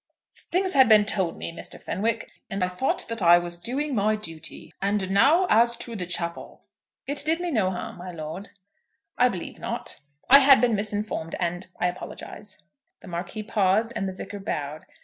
"Things had been told me, Mr. Fenwick; and I thought that I was doing my duty." "It did me no harm, my lord." "I believe not. I had been misinformed, and I apologise." The Marquis paused, and the Vicar bowed.